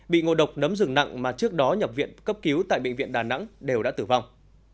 bị ngộ độc nấm rừng nặng mà trước đó nhập viện cấp cứu tại bệnh viện đà nẵng đều đã tử vong